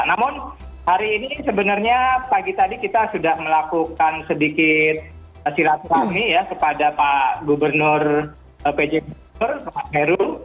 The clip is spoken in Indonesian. namun hari ini sebenarnya pagi tadi kita sudah melakukan sedikit sirat sirat ini ya kepada pak gubernur dki jakarta pak meru